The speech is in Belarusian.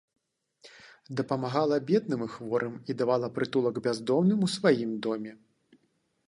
Дапамагала бедным і хворым і давала прытулак бяздомным у сваім доме.